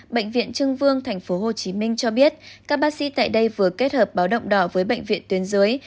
bệnh viện trưng vương tp hcm cho biết các bác sĩ tại đây vừa kết hợp báo động đỏ với bệnh viện tuyến dưới